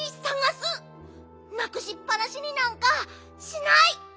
なくしっぱなしになんかしない！